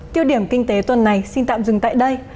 tiêu điểm kinh tế tuần này xin tạm dừng tại đây